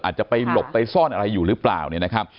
อาจจะลบไปซ่อนอะไรอยู่หรือเปล่า